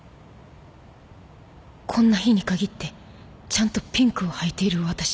こんな日にかぎってちゃんとピンクをはいている私だ